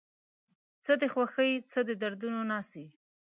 څه د خوښۍ څه د دردونو ناڅي